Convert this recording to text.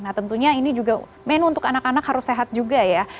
nah tentunya ini juga menu untuk anak anak harus sehat juga ya